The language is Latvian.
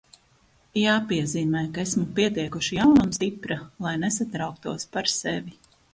Jāpiezīmē, ka esmu pietiekoši jauna un stipra, lai nesatrauktos par sevi.